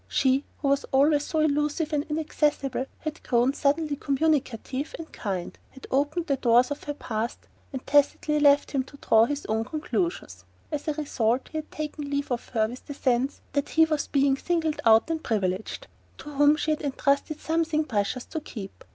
She, who was always so elusive and inaccessible, had grown suddenly communicative and kind: had opened the doors of her past, and tacitly left him to draw his own conclusions. As a result, he had taken leave of her with the sense that he was a being singled out and privileged, to whom she had entrusted something precious to keep.